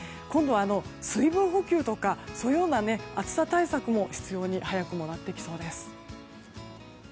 今度は、水分補給とかそういう暑さ対策も必要に早くもなってきそうです。